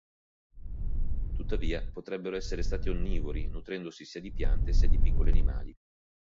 Tuttavia, potrebbero essere stati onnivori, nutrendosi sia di piante sia di piccoli animali.